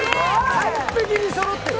完璧にそろってる。